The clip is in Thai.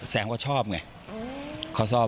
แสงเขาชอบไง